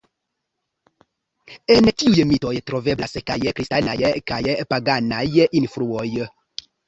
En tiuj mitoj troveblas kaj kristanaj kaj paganaj influoj.